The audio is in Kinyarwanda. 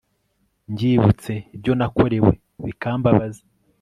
Mbyibutse ibyo nakorewe bikambabaza